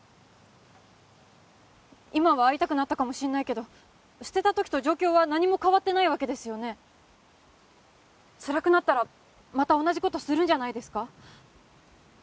今は会いたくなったかもしんないけど捨てた時と状況は何も変わってないわけですよねつらくなったらまた同じことするんじゃないですか？